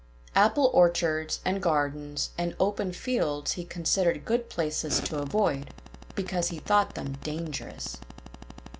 Apple orchards, and gardens and open fields he considered good places to avoid, because he thought them dangerous.